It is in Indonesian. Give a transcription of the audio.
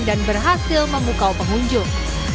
dan berhasil membuka pengunjung